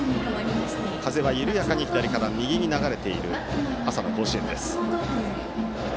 風は緩やかに左から右に流れている朝の甲子園です。